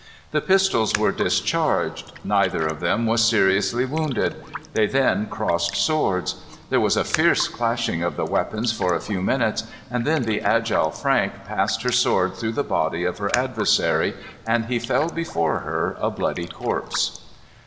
The pistols were discharged. Neither of them was seriously wounded. They then crossed swords. There was a fierce clashing of the weapons for a few minutes and then the agile Frank passed her sword through the body of her adversary, and he fell before her a bloody corpse.